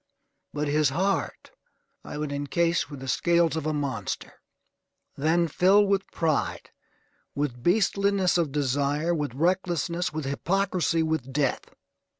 But his heart I would encase with the scales of a monster, then fill with pride, with beastliness of desire, with recklessness, with hypocrisy, with death.